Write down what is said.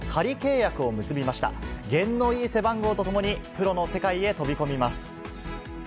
験のいい背番号とともに、プロの世界へ飛び込みます。